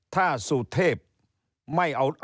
ถ้าสุเทพไม่เอา